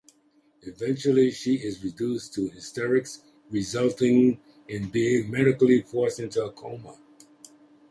Eventually she is reduced to hysterics, resulting in being medically forced into a coma.